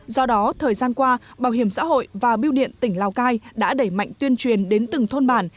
do đó thời gian qua bảo hiểm xã hội và biêu điện tỉnh lào cai đã đẩy mạnh tuyên truyền đến từng thôn bản